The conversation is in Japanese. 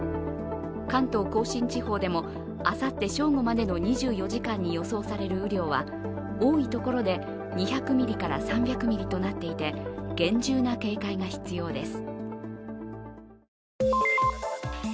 関東甲信地方でもあさって正午までの２４時間に予想される雨量は多い所で２００ミリから３００ミリとなっていて厳重な警戒が必要です。